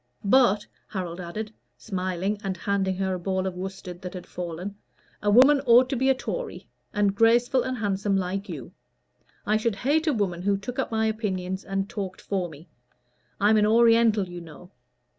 But," Harold added, smiling and handing her a ball of worsted which had fallen, "a woman ought to be a Tory, and graceful, and handsome, like you. I should hate a woman who took up my opinions and talked for me. I'm an Oriental, you know.